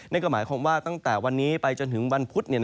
นั่นก็หมายความว่าตั้งแต่วันนี้ไปจนถึงวันพุธ